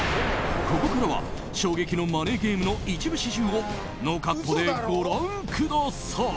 ここからは衝撃のマネーゲームの一部始終をノーカットでご覧下さい。